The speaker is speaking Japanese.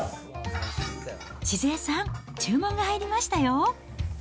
静恵さん、注文が入りましたよ。